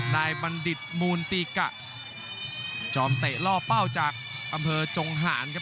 บัณฑิตมูลตีกะจอมเตะล่อเป้าจากอำเภอจงหารครับ